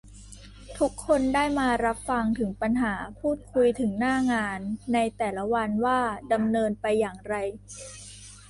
ทุกคนได้มารับฟังถึงปัญหา พูดคุยถึงหน้างานในแต่ละวันว่าดำเนินไปอย่างไร